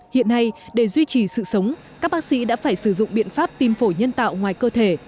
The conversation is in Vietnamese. hiện nay để duy trì sự sống các bác sĩ đã phải sử dụng biện pháp tim phổi nhân tạo ngoài cơ thể